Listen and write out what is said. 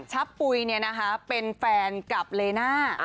ับปุ๋ยเป็นแฟนกับเลน่า